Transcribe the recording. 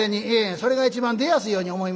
それが一番出やすいように思いますわ」。